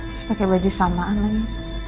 terus pake baju samaan lagi